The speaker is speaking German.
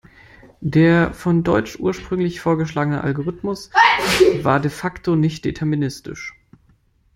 Der von Deutsch ursprünglich vorgeschlagene Algorithmus war de facto nicht deterministisch.